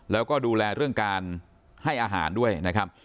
แล้วก็ดูแลเรื่องการให้อาหารด้วยนะครับ